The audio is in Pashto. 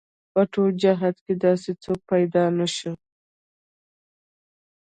په ټول جهاد کې داسې څوک پيدا نه شو.